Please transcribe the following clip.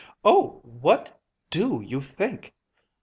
"Oh what do you think